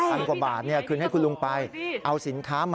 อันกว่าบาทคืนให้คุณลุงไป